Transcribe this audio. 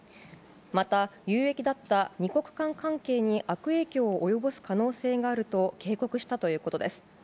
また有益だった２国間関係に悪影響を及ぼす可能性があると警告したということです。